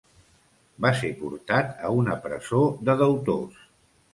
Va ser portat a una presó de deutors.